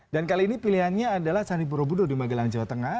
dan kali ini pilihannya adalah candi borobudur di magelang jawa tengah